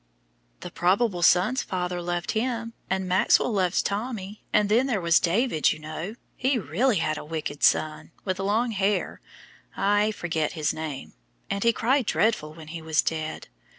"The probable son's father loved him, and Maxwell loves Tommy, and then there was David, you know, who really had a wicked son, with long hair I forget his name and he cried dreadful when he was dead.